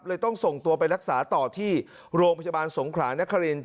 ต้องส่งตัวไปรักษาต่อที่โรงพยาบาลสงขรานคริน